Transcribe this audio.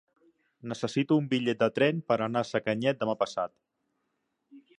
Necessito un bitllet de tren per anar a Sacanyet demà passat.